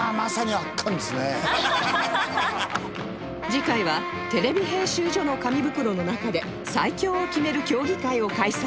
次回はテレビ編集所の紙袋の中で最強を決める競技会を開催